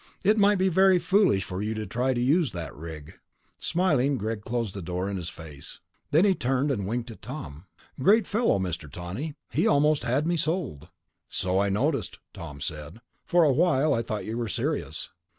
"It might be very foolish for you to try to use that rig." Smiling, Greg closed the door in his face. Then he turned and winked at Tom. "Great fellow, Mr. Tawney. He almost had me sold." "So I noticed," Tom said. "For a while I thought you were serious."